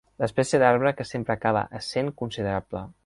L'espècie d'arbre que sempre acaba essent considerable.